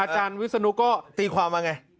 อาจารย์วิศนุก็ตีความว่าไง